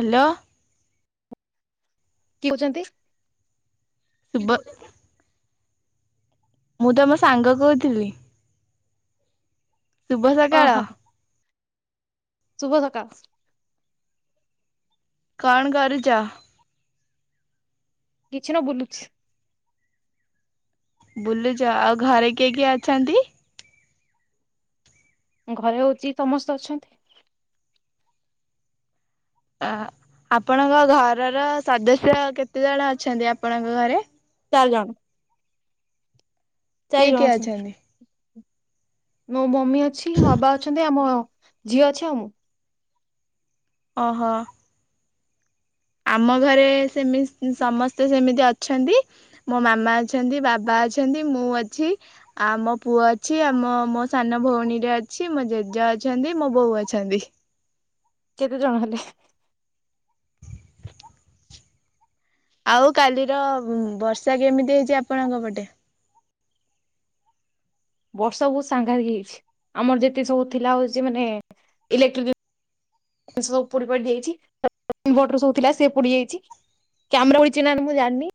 Hello କିଏ କଉଛନ୍ତି। ସୁବା ମୁଁ ତମ ସାଙ୍ଗ କହୁଥିଲି। ଶୁଭ ସକାଳ। ଓହୋ ଶୁଭ ସକାଳ। କଣ କରୁଚ? କିଛି ନ ବୁଲୁଛି। ବୁଲୁଚ ଆଉ ଘରେ କିଏ କିଏ ଅଛନ୍ତି। ଘରେ ହଉଛି ସମସ୍ତେ ଅଛନ୍ତି। ଆ ଆପଣଙ୍କ ଘରର ସଦସ୍ୟ କେତେ ଜଣ ଅଛନ୍ତି ଆପଣଙ୍କ ଘରେ? ଚାଲ ଜଣ କିଏ କିଏ ଅଛନ୍ତି। ମୁଁ ମୋ ମମୀ ଅଛି ମୋ ବାବା ଅଛନ୍ତି ମୋ ଝିଅ ଛୁଆ ମୁଁ ଓହୋ ଆମ ଘରେ ସେମ ସମସ୍ତେ ସେମିତି ଅଛନ୍ତି ମୋ ମାମା ଅଛନ୍ତି ବାବା ଅଛନ୍ତି ମୁଁ ଅଛି ଆ ମୋ ପୁଅ ଅଛି ଆମ ମୋ ସାନ ଭଉଣୀରେ ଅଛି ମୋ ଜେଜେ ଅଛନ୍ତି ମୋ ବୋଉ ଅଛନ୍ତି। କେତେ ଜଣ ହେଲେ? ଆଉ କାଲିର ବର୍ଷା କେମିତି ହେଇଛି ଆପଣଙ୍କ ପଟେ ବର୍ଷା ବହୁତ ସାଙ୍ଗାତିକ ହେଇଯାଇଛି ଆମର ଯେତିକି ସବୁ ଥିଲା ହଉଛି ମାନେ ଇଲେଟ୍ରିକ ଦି ସ ସବୁ ସେ ପୋଡି ଯାଇଛି ଇନଭଟର ଥିଲା ସେ ପଡି ଯାଇଛି କ୍ୟାମେରା ଛିକି ନାହିଁ ମୁଁ ଜାଣିନି।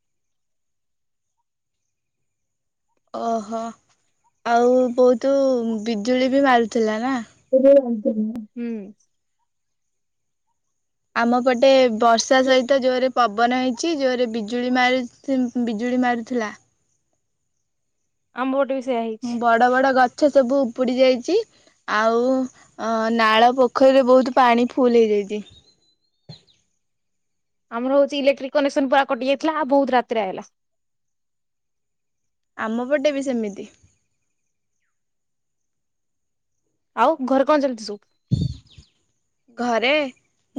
ଓହୋ ଆଉ ବହୁତ ବିଜୁଳି ବି ମାରୁଥିଲା ନା। [unintelligible] ହୁଁ ଆମ ପଟେ ବର୍ଷା ସହିତ ଜୋରେ ପବନ ହେଇଛି ଯୋରେ ବିଜୁଳି ବିଜୁଳି ମାରୁଥିଲା। ଆମ ପେଟ ବି ସେ ହୁଁ ବଡ ବଡ ଗଛ ସବୁ ଉପୁଡି ଯାଇଛି ଆଉ ନାଳ ପୋଖରୀରେ ବହୁତ ପାଣି ଫୁଲ ହେଇଯାଇଛି। ଆମର ହଉଛି ଇଲେକ୍ଟ୍ରିକ କନେକ୍ସନ ପୁରା କଟି ଯାଇଥିଲା ଆଉ ବହୁତ ରାତିରେ ଆଇଲା। ଆମ ପଟେ ବି ସେମିତି। ଆଉ ଘରେ କଣ ଚାଲିଛି ସବୁ ଘରେ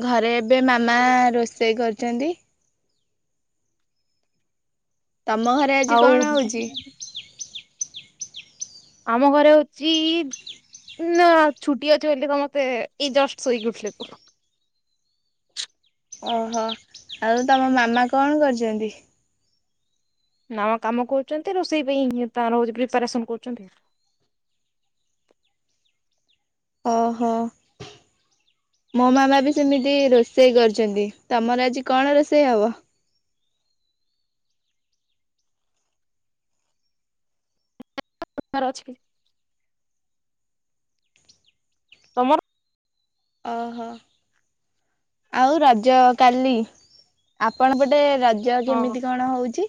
ଘରେ ଏବେ ମାମା ରୋଷେଇ କରିଛନ୍ତି। ତମ ଘରେ ଆଜି କଣ ହେଉଛି? ଆଉ ଆମ ଘରେ ହଉଛି ନା ଛୁଟି ଅଛି ବୋଲି ତମତେ ଏଇ ଜଷ୍ଟ ଶୋଇକି ଉଠିଲେ ମୁଁ। ଓହୋ ଆଉ ତମ ମାମା କଣ କରିଛନ୍ତି? ନଆ କାମ କରୁଛନ୍ତି ରୋଷେଇ ପାଇଁ ତ ରଛି ପ୍ରିପାରେସନ କରୁଛନ୍ତି। ଓହୋ ମୋ ମାମା ବି ସେମିତି ରୋଷେଇ କରିଛନ୍ତି ତମର ଆଜି କଣ ରୋଷେଇ ହବ? ଅଛି। ତମର ଓହୋ ଆଉ ରଜ କାଲି ଆପଣ ପଟେ ରାଜ ହଁ କେମିତି କଣ ହଉଛି?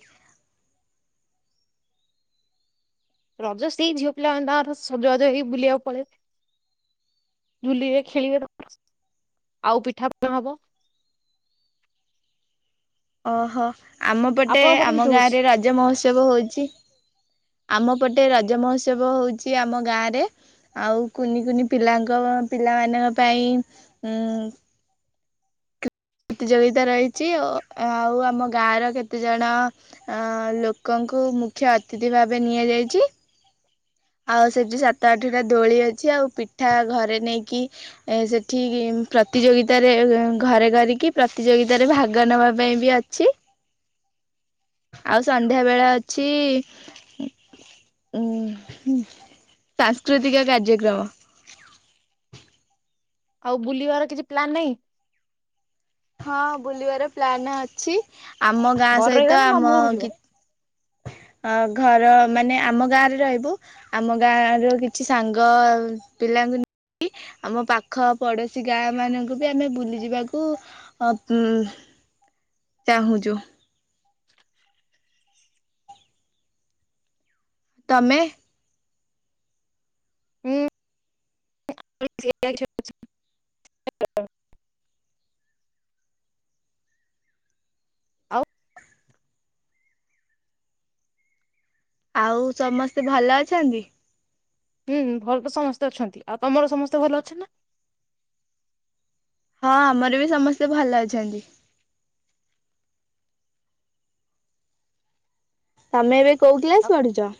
ରଜ ସେଇ ଝିଅ ପିଲାମାନେ ତାଙ୍କର ସଜବାଜ ହେଇ ବୁଲିବାକୁ ପଳେଇବେ ବଝୁଲେ ଖେଳିବେ ଆଉ ପିଠାପଣା ହବ। ଓହୋ ଆମ ପଟେ ଆପଣଙ୍କର ଆମ କେମିତି ଗାଁ ହଉଛି ରେ ରଜ ମହୋତ୍ସବ ହଉଛି। ଆମ ପଟେ ରଜ ମହୋତ୍ସବ ହଉଛି ଆମ ଗାଁରେ ଆଉ କୁନି କୁନି ପିଲାଙ୍କ ପିଲାମାନଙ୍କ ପାଇଁ ପ୍ରତିଯୋଗିତା ରହିଛି ଆଉ ଆମ ଗାଁର କେତେଜଣ ଲୋକଙ୍କୁ ମୁଖ୍ୟ ଅତିଥି ଭାବେ ନିଆଯାଇଛି। ଆଉ ସେଠି ସାତ ଆଠଟା ଦୋଳି ଅଛି ଆଉ ପିଠା ଘରେ ନେଇକି ସେଠି ପ୍ରତିଯୋଗିତାରେ ଘରେ କରିକି ପ୍ରତିଯୋଗିତାରେ ଭାଗ ନବା ପାଇଁ ବି ଅଛି। ଆଉ ସନ୍ଧ୍ୟା ବେଳେ ଅଛି ଉ ସାଂସ୍କୃତିକ କାର୍ଯ୍ୟକ୍ରମ ଆଉ ବୁଲିବାର କିଛି ପ୍ଲାନ ନାହିଁ। ହଁ ବୁଲିବାର ପ୍ଲାନ ଅଛି। ଆମ ଗାଁ ଘରେ ରହିବା ସହିତ ନା ମାମୁଁ ଆମ ଘରକୁ ଯିବ? କି ଅ ଘର ମାନେ ଆମ ଗାଁରେ ରହିବୁ ଆମ ଗାଁ ର କିଛି ସାଙ୍ଗ ପିଲାଙ୍କୁ ଆମ ପାଖ ପଡୋଶୀ ଗାଁ ମାନଙ୍କୁ ବି ଆମେ ବୁଲି ଯିବାକୁ ଉ ଚାହୁଁଛୁ। ତମେ? ହୁଁ [unintelligible] ଆଉ ଆଉ ସମସ୍ତେ ଭଲ ଅଛନ୍ତି? ହୁଁ ଭଲ ତ ସମସ୍ତେ ଅଛନ୍ତି ଆଉ ତମର ସମସ୍ତେ ଭଲ ଅଛ ନା? ହଁ ଆମର ବି ସମସ୍ତେ ଭଲ ଅଛନ୍ତି। ତମେ ଏବ କୋଉଠି ନା? କ୍ଲାସ ପଢୁଛ?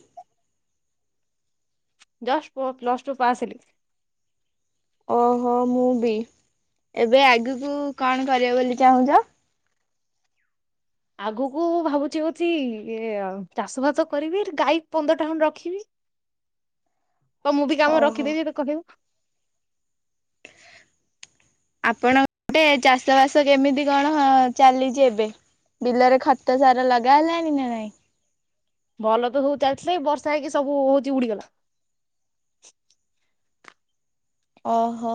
ଜଷ୍ଟ ପୁଅ ପ୍ଲସ୍ ଟୁ ପା ଆସିଲି ଓହୋ ମୁଁ ବି ଏବେ ଆଗକୁ କଣ କରିବ ବୋଲି ଚାହୁଁଛ, ଆଗକୁ ଭାବୁଛି କଛି ଚାଷ ବାସ କରିବି ଗାଈ ପନ୍ଦର ଟା ଖଣ୍ଡ ରଖିବି ତ ମୁଁ ବି କାମ ଓହୋ। ରଖିେବିତେ କହେଇବୁ ଆପଣ ଗୋଟେ ଚାଷ ବାସ କେମିତି କଣ ହ ଚାଲିଛି ଏବେ ବିଲରେ ଖତ ସାର ଲଗା ହେଲାଣି ନା ନାଇଁ ଭଲ ତ ସବୁ ଚାଲିଥିଲା ବର୍ଷା ହେଇକି ସବୁ ହଉଛି ଉଡିଗଲା ଓହୋ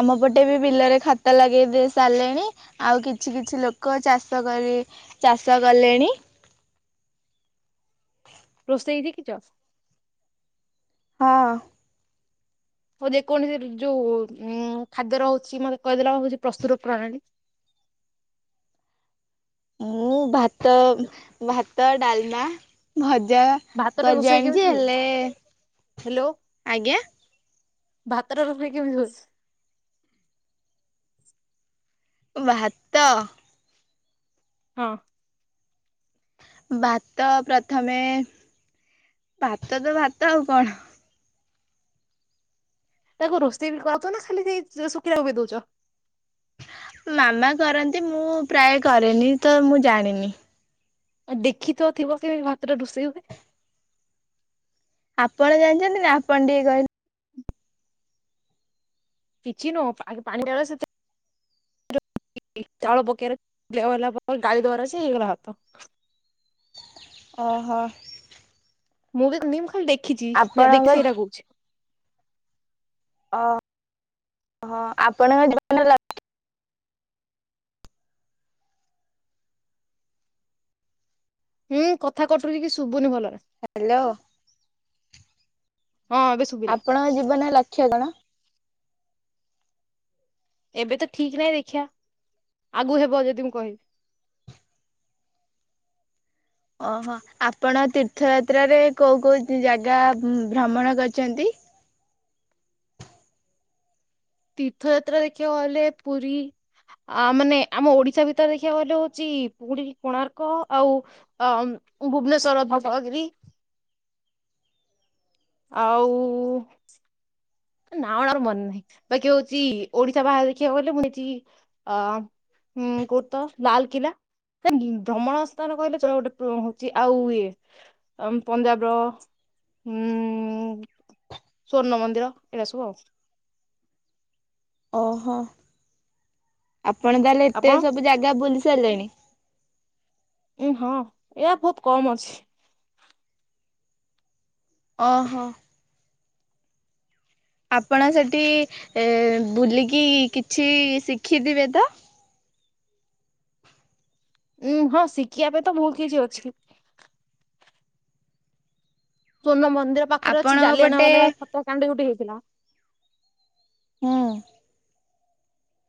ଆମ ପଟେ ବି ବିଲରେ ଖାତା ଲଗେଇ ଦେଇ ସାରିଲେଣି ଆଉ କିଛି କିଛି ଲୋକ ଚାଷ କରି ଚାଷ କଲେଣି ରସ୍ତେଇଦ କି ଚାଷ [inaudible] ହଁ ହଉ ଯେକୌଣସି ଯୋଉ ଉ ଖାଦ୍ୟ ରହୁଛି ମତେ କହିଦେଲା ହଉଛି ପ୍ରସ୍ତୁର ପ୍ରଣାଳୀ ମୁଁ ଭାତ ଭାତ ଡାଲମା ଭଜା ଯା ଭାତଟା ରୋଷେଇ କରିଜାଣିଛି କେମିତି ହୁଏ ହେଲେ ଆଜ୍ଞା ଭାତର ରୋଷି କେି ଝୁଜ ବାାତ [inaudible] ହଁ ଭାତ ପ୍ରଥମେ ଭାତ ତ ଭାତ ଆଉ କଣ ତାକୁ ରୋଷେଇ ବି କରଛ ନା ଖାଲି ସେଇ ଶୁଖିବାକୁ ବି ଦଉଛ ମାମା କରନ୍ତି ମୁଁ ପ୍ରାୟ କରେନି ତ ମୁଁ ଜାଣିନି ଆଉ ଦେଖି ତ ଥିବ ସେ ଭାତ ଟା ରୁଷେଇ ହୁଏ ଆପଣ ଜାଣିଛନ୍ତି ନା ଆପଣ ଟିକେ କହିଲେ ପିଛିି ନ ଆ ପାଣି ଳ ସେ [inaudible] ଚାଳ ପକିରେ ଡାଇଲା ଗାଈ ଦଵାରା ସେ ହେଇଗଲାାତ [inaudible] ଓହୋ [inaudible] ମୁଁ ନିମ ଖା ଦେଖି [inaudible] ଦେଖିଛି ଯ ଆପଣଙ୍କ ଦେଖି ସେଇଟା କହୁଛି ଓ ହ ଆପଣଙ୍କ ଜୀବନରେ ଲଛି ହୁଁ କଥା କଟ କି କି ଶୁଭୁନି ଭଲ ହ୍ୟାଲୋ ହଁ ଏବେ ଶୁଭିଲା ଆପଣଙ୍କ ଜୀବନ ଲକ୍ଷ କଣ ଏବେ ତ ଠିକ ନାହିଁ ଦେଖିବା ଆଗୁ ହେବ ଯଦି ମୁଁ କହିବି ଓହୋ ଆପଣ ତୀର୍ଥଯାତ୍ରାରେ କୋଉ କୋଉ ଜାଗା ଭ୍ରମଣ କରିଛନ୍ତି ତୀର୍ଥଯାତ୍ରା ଦେଖିବାକୁ ଗଲେ ପୁରୀ ଆ ମାନେ ଆମ ଓଡିଶା ଭିତରେ ଦେଖିବାକୁ ଗଲେ ହଉଛି ପୁରୀ କୋଣାର୍କ ଆଉ ଭୁବନେଶ୍ଵର ଭଟଗିରି ଆଉ ନାଣ ର ମନେ ନାହିଁ ବାକି ହଉଛି ଓଡିଶା ବାହାରେ ଦେଖିବାକୁ କହିଲେ ମୁଁ ହେଇଛି ଅ କୋ ତ ଲାଲକଲା ଭ୍ରମଣ ସ୍ଥାନ କହିଲେ ଗୋଟେ ହଉଛି ଆଉ ଇଏ ପଞ୍ଜାବର ଉଁ ସ୍ଵର୍ଣ୍ଣ ମନ୍ଦିର ଏଗୁଡ଼ା ସବୁ ଆଉ। ଓହୋ। ଆପଣ ତାହେଲେ ଏତେ ଆପଣ ସବୁ ଜାଗା ବୁଲ- ଚାଲେନି। ଉଁ ହଁ ଏୟା ବହୁତ କମ ଅଛି। ଓହୋ। ଆପଣ ସେଠି ବୁଲିକି କିଛି ଶିଖିଥିବେ ତ ଉଁ ହଁ ଶିଖିବା ପାଇଁ ତ ବହୁତ କିଛି ଅଛି ସୋର୍ଣ୍ଣ ମ୍ ମନ୍ଦିର ପାଖରେ ଅଛି ଆପଣଙ୍କ ପଟେ ଜାଲିଆନାବାଲାବାଗ ହତ୍ୟାକାଣ୍ଡ ଗୋଟେ ହେଇଥିଲା। ହୁଁ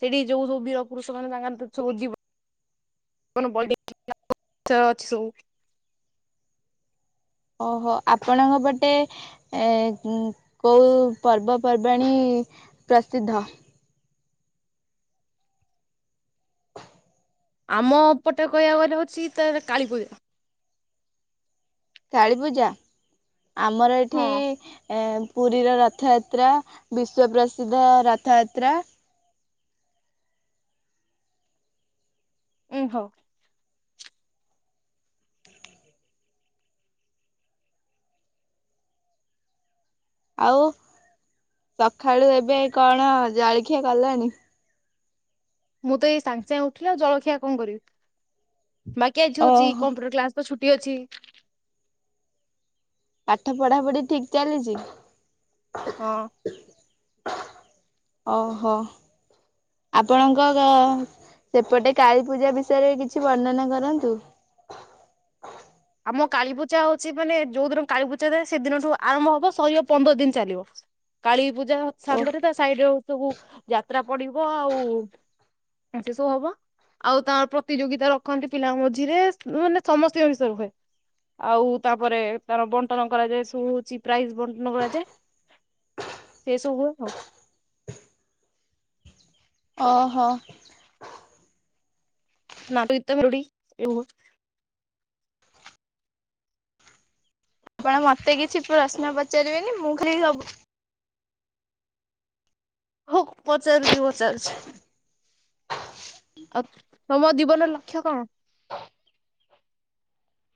ସେଠି ଯୋଉ ସବୁ ବୀର ପୁରୁଷ ମାନେ ତାଙ୍କର ସବୁ ଜୀବନ ବଳି ଦେଇଥିଲେ ଅଛି ସବୁ। ଓହୋ ଆପଣଙ୍କ ପଟେ ଏ କୋଉ ପର୍ବପର୍ବାଣୀ ପ୍ରସିଦ୍ଧ। ଆମ ପଟେ କହିବାକୁ ଗଲେ ହଉଛି ତାର କାଳୀ ପୂଜା। କାଳୀ ପୂଜା। ଆମର ଏଠି ହଁ ଏ। ପୁରୀର ରଥଯାତ୍ରା ବିଶ୍ଵ ପ୍ରସିଦ୍ଧ ରଥଯାତ୍ରା। ଉଁ ହଉ। ଆଉ ସକାଳୁ ଏବେ କଣ ଜାଳିଖିଆ କଲାଣି। ମୁଁ ତ ଏଇ ସାଙ୍ଗେ ସାଙ୍ଗେ ଉଠିଲି ଆଉ ଜଳଖିଆ କଣ କରିବି। ବାକି ଆଜି ହଉଛି ଓହୋ। Computer class. ତ ଛୁଟି ଅଛି। ପାଠ ପଢା ପଢି ଠିକ ଚାଲିଛି। ହଁ। ଓହୋ ଆପଣଙ୍କ ଗା ସେପଟେ। କାଳୀପୂଜା ବିଷୟରେ ହଁ। କିଛି ବର୍ଣ୍ଣନା କରନ୍ତୁ। ତୁ। ଆମ କାଳୀପୂଜା ହଉଛି ମାନେ ଯୋଉ ଦିନ କାଳୀପୂଜା ଥାଏ ସେଦିନଠୁ ଆରମ୍ଭ ହବ ଶରିବ ପନ୍ଦର ଦିନ ଚାଲିବ କାଳୀ। ପୂଜା ଓ ସାଙ୍ଗରେ ତା ସାଇଡ ରେ ହଉଛି ସବୁ ଜା ଯତ୍ରା ପଡିବ ଆଉ ସେ ସବୁ ହବ ଆଉ ତ ପ୍ରତିଯୋଗିତା ରଖନ୍ତି ପିଲାଙ୍କ ମଝିରେ ମାନେ ସମସ୍ତଙ୍କ ବିଷୟରେ ହୁଏ। ଆଉ ତାପରେ ତାର ବଣ୍ଟନ କରାଯାଏ ସବୁ ହଉଛି ପ୍ରାଇସ ବଣ୍ଟନ କରାଯାଏ ସେ ସବୁ ହୁଏ ଆଉ। ଓହୋ। ନାଟ ଗୀତ ମେଲୋଡ଼ି ଏ ଆପଣ ମତେ କିଛି ପ୍ରଶ୍ନ ପଚାରିବେନି ମୁଁ ଖାଲି ସବୁ ହଉ ପଚାରଚି ପଚା ଚାରୁଚି। ଆଉ ତମ ଜୀବନର ଲକ୍ଷ୍ୟ କଣ।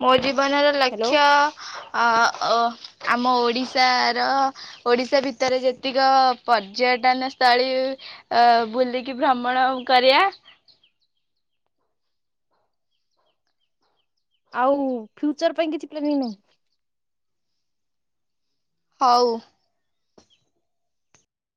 ମୋ ଜିିବ ବନର ହ୍ୟାଲୋ ଲକ୍ଷ୍ୟ। ଆ ଅ ଆମ ଓଡ଼ିଶାର ଓଡ଼ିଶା ଭିତରେ ଯେତିକି ପର୍ଯ୍ୟଟନସ୍ଥଳୀ ବୁଲିକି ଭ୍ରମଣ କରିବା। ଆଉ ଫ୍ୟୁଚର ପାଇଁ କିଛି ପ୍ଲାନିଂ ନାହିଁ। ହଉ।